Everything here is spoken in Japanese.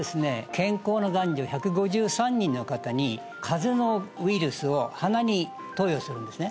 健康な男女１５３人の方に風邪のウイルスを鼻に投与するんですね